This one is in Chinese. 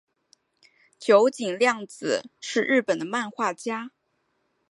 九井谅子是日本的漫画家。